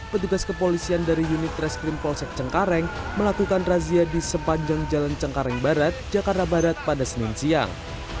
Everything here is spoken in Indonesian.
petugas kepolisian dari unit reskrim polsek cengkareng melakukan razia di sepanjang jalan cengkareng barat jakarta barat pada senin siang